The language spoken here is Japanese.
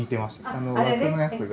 あの枠のやつが。